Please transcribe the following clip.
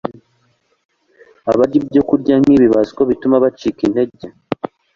Abarya ibyokurya nk’ibi bazi ko bituma bacika intege.